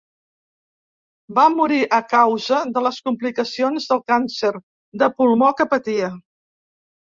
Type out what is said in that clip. Va morir a causa de les complicacions del càncer de pulmó que patia.